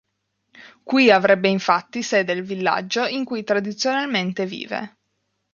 Qui avrebbe infatti sede il villaggio in cui tradizionalmente vive.